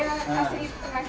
kamu kerjanya ngapain ya mbak